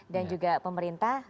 dan juga pemerintah